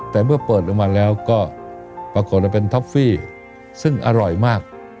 แต่เมื่อเปิดลงมาแล้วก็ปรากฏว่าเป็นท็อฟฟี่ซึ่งอร่อยมาก